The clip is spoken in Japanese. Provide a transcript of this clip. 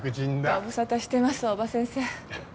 ご無沙汰してます大庭先生。